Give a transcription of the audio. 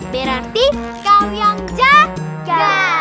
berarti kau yang jaga